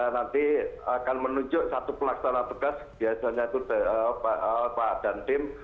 nanti akan menunjuk satu pelaksana tugas biasanya itu pak dantim